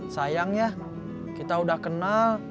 sayangnya kita udah kenal